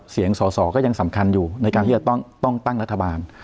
เสียงสอสอก็ยังสำคัญอยู่ในการที่จะต้องตั้งรัฐบาล